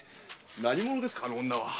何者ですかあの女は？